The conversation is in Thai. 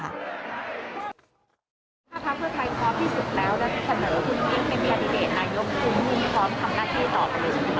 ถ้าพักเพื่อไทยพร้อมที่สุดแล้วแล้วจะเสนอคุณอิงเป็นคันดิเดตนายกคุณอุ้งพร้อมทำงานให้ต่อไปเลย